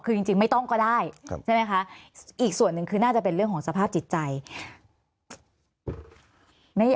คือจริงไม่ต้องก็ได้ใช่ไหมคะอีกส่วนหนึ่งคือน่าจะเป็นเรื่องของสภาพจิตใจ